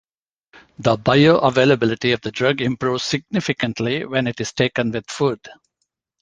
The bioavailability of the drug improves significantly when it is taken with food.